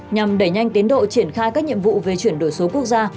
nhằm đẩy nhanh tiến độ triển khai các nhiệm vụ về chuyển đổi số quốc gia